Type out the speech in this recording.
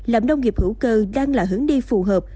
làm nông nghiệp hữu cơ đang là hướng đi phù hợp